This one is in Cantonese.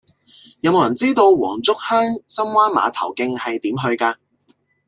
有無人知道黃竹坑深灣碼頭徑係點去㗎